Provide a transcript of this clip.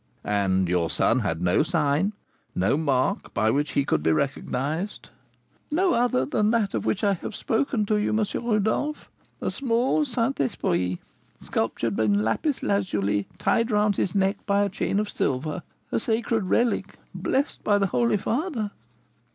"And your son had no sign, no mark, by which he could be recognised?" "No other than that of which I have spoken to you, M. Rodolph, a small Saint Esprit, sculptured in lapis lazuli, tied round his neck by a chain of silver: a sacred relic, blessed by the holy father."